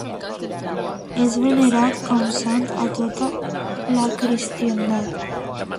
És venerat com sant a tota la cristiandat.